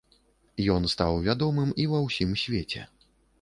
Ён стаў вядомым і ва ўсім свеце.